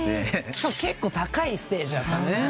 結構高いステージだった。